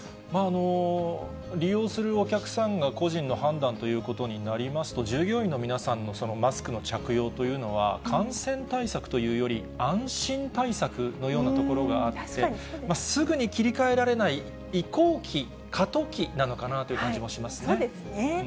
利用するお客さんが、個人の判断ということになりますと、従業員の皆さんのマスクの着用というのは、感染対策というより、安心対策のようなところがあって、すぐに切り替えられない、移行期、過渡期なのかなという感じもしまそうですね。